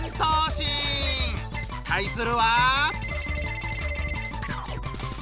対するは。